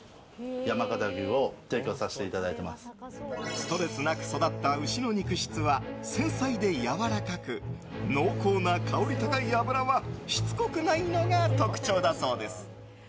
ストレスなく育った牛の肉質は繊細でやわらかく濃厚な香り高い脂はしつこくないのが特徴だそうです。